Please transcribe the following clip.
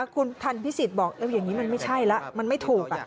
คุณท่านพี่สิทธิ์บอกว่ายังงี้ไม่ใช่แล้วมันไม่ถูก